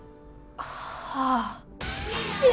はあ。